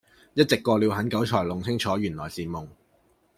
一直過了很久才弄清楚原來是夢